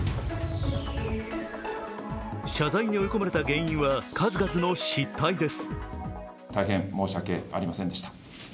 謝罪に追い込まれた原因は数々の失態です。